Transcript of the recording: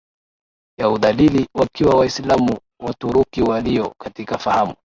ya udhalili Wakiwa Waislamu Waturuki walio katika fahamu